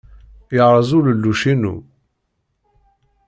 Yerreẓ ulelluc-inu.